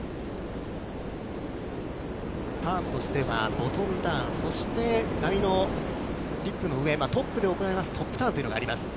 ターンとしては、ボトムターン、そして波のリップの上、トップで行います、トップターンというのがあります。